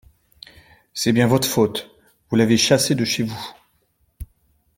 C’est bien votre faute… vous l’avez chassé de chez vous…